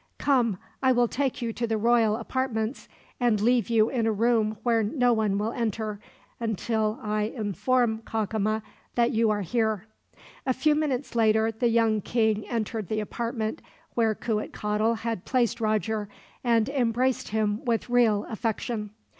"Come, I will take you to the royal apartments, and leave you in a room where no one will enter, until I inform Cacama that you are here." A few minutes later the young king entered the apartment where Cuitcatl had placed Roger, and embraced him with real affection.